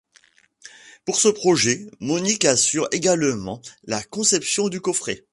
Pour ce projet, Monique assure également la conception du coffret.